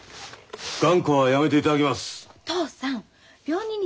頑固はやめていただきます。